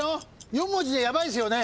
４文字じゃヤバいっすよね？